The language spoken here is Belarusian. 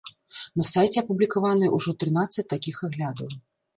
На сайце апублікаваныя ўжо трынаццаць такіх аглядаў.